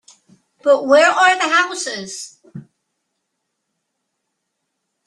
But where are the houses?